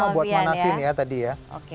butuh waktu lama buat manasin ya tadi ya